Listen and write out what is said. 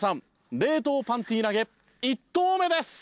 冷凍パンティ投げ１投目です！